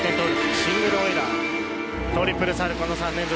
シングルオイラートリプルサルコウの３連続。